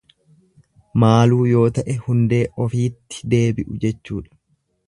Maaluu yoo ta'e hundee ofiitti deebi'u jechuudha.